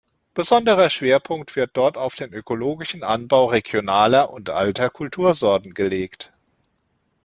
Besonderer Schwerpunkt wird dort auf den ökologischen Anbau regionaler und alter Kultursorten gelegt.